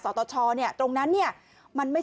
ก็ตอบได้คำเดียวนะครับ